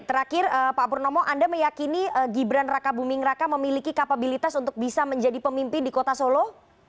terakhir pak purnomo anda meyakini gibran raka buming raka memiliki kapabilitas untuk bisa menjadi pemimpin di kota solo